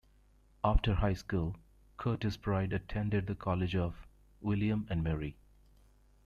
After high school, Curtis Pride attended the College of William and Mary.